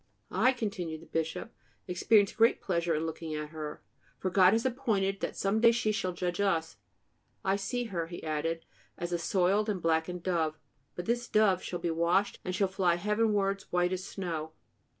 'I,' continued the Bishop, 'experienced great pleasure in looking at her, for God has appointed that some day she shall judge us. I see her,' he added, 'as a soiled and blackened dove; but this dove shall be washed and shall fly heavenwards, white as snow.'